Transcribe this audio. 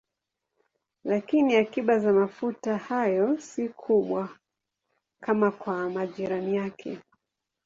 Lakini akiba za mafuta hayo si kubwa kama kwa majirani yake.